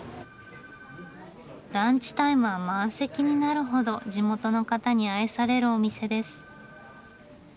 ランチタイムは満席になるほど地元の方に愛されるお店です。